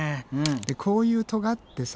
こういうとがってさ